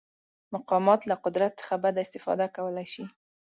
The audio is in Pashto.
مقامات له قدرت څخه بده استفاده کولی شي.